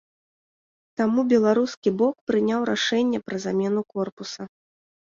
Таму беларускі бок прыняў рашэнне пра замену корпуса.